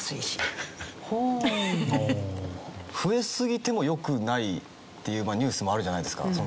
増えすぎても良くないっていうニュースもあるじゃないですか。